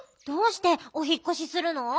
どうしておひっこしするの？